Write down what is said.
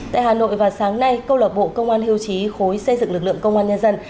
tại hà nội vào sáng nay câu lạc bộ công an hiêu trí khối xây dựng lực lượng công an nhân dân